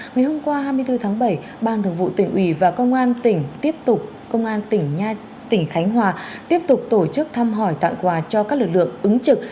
ngày hôm qua hai mươi bốn tháng bảy ban thường vụ tỉnh ủy và công an tỉnh khánh hòa tiếp tục tổ chức thăm hỏi tặng quà cho các lực lượng ứng trực